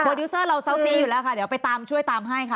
ดิวเซอร์เราเซาซีอยู่แล้วค่ะเดี๋ยวไปตามช่วยตามให้ค่ะ